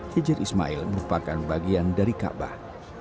hijir ismail merupakan bagian dari kaabah